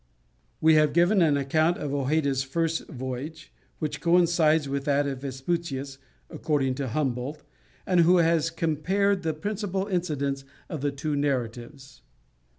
We have given an account of Hojeda's first voyage, which coincides with that of Vespucius according to Humboldt, who has compared the principal incidents of the two narratives.